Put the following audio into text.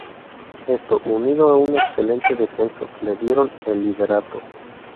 Esto, unido a un excelente descenso, le dieron el liderato.